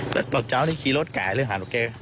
แล้วตอนเจ้านี่ขี่รถไก่หรือหาลูกแก